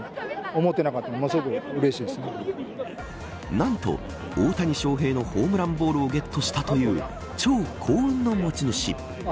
何と大谷翔平のホームランボールをゲットしたという超幸運の持ち主。